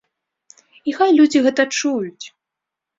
І хай людзі гэта чуюць!